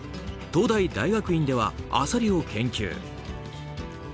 東大大学院ではアサリを研究。